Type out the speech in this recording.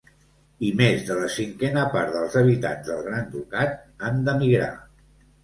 I més de la cinquena part dels habitants del Gran Ducat han d'emigrar.